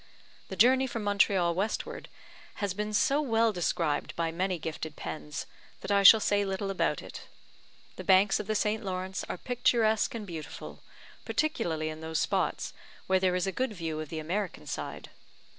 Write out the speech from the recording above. The journey from Montreal westward has been so well described by many gifted pens, that I shall say little about it. The banks of the St. Lawrence are picturesque and beautiful, particularly in those spots where there is a good view of the American side.